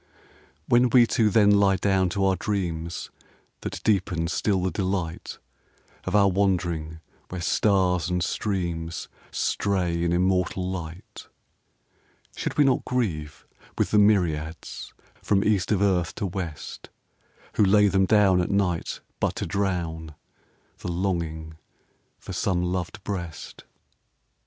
When we two then lie down to our dreams That deepen still the delight Of our wandering where stars and streams Stray in immortal light, Should we not grieve with the myriads From East of earth to West Who lay them down at night but to drown The longing for some loved breast?